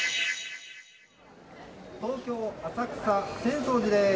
東京・浅草、浅草寺です。